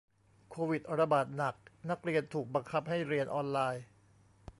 โควิดระบาดหนัก นักเรียนถูกบังคับให้เรียนออนไลน์